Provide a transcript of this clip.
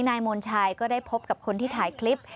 นายมนชัยก็ได้พบกับคนที่ถ่ายคลิป